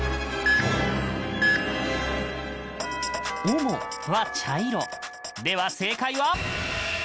「おも」は茶色では正解は？